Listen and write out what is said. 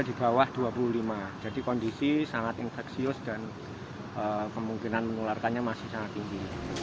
di bawah dua puluh lima jadi kondisi sangat infeksius dan kemungkinan menularkannya masih sangat tinggi